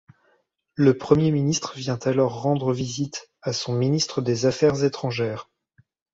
Le Premier ministre vient alors rendre visite à son ministre des affaires étrangères.